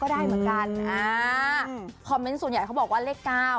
ได้เหมือนกันอ่าคอมเมนต์ส่วนใหญ่เขาบอกว่าเลขเก้า